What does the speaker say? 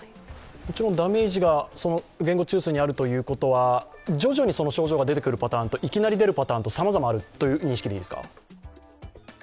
もちろんダメージが言語中枢にあるということは徐々に症状が出てくるパターンといきなり出るパターンとさまざまあるという認識でいいですか？